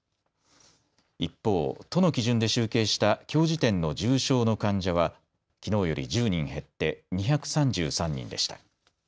一方、都の基準で集計したきょう時点の重症の患者はきのうより１０人減って２３３人でした。